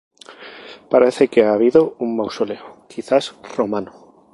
Parece que había habido un mausoleo, quizás romano.